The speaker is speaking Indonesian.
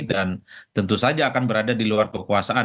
dan tentu saja akan berada di luar kekuasaan